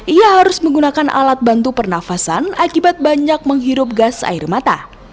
ia harus menggunakan alat bantu pernafasan akibat banyak menghirup gas air mata